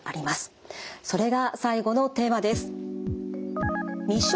それが最後のテーマです。